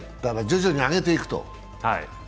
徐々に上げていくと。